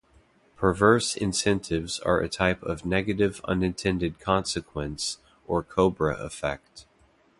Perverse incentives are a type of negative unintended consequence or cobra effect.